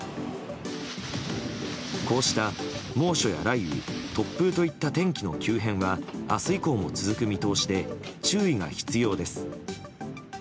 こうした猛暑や雷雨突風といった天気の急変は明日以降も続く見通しで注意が必要です。